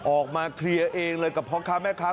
ออกมาเคลียร์เองเลยกับพ่อค้าแม่ค้า